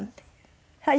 はい。